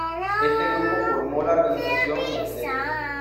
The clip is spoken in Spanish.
Este grupo formó la organización Lt.